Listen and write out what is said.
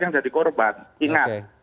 yang jadi korban ingat